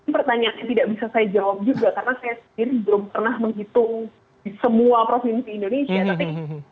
pertanyaan yang tidak bisa saya jawab juga karena saya sendiri belum pernah menghitung di semua provinsi indonesia tapi